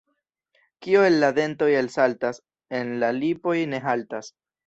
Kio el la dentoj elsaltas, en la lipoj ne haltas.